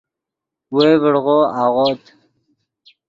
وئے ڤڑغو اغوت